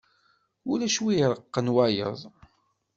Ulac win iraqen wayeḍ.